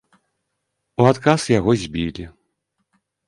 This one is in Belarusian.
У адказ яго збілі.